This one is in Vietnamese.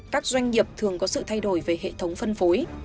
các doanh nghiệp thường có sự thay đổi về hệ thống phân phối